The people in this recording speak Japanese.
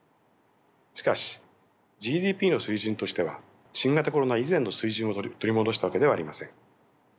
しかしＧＤＰの水準としては新型コロナ以前の水準を取り戻したわけではありません。